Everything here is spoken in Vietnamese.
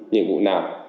nhiệm vụ nào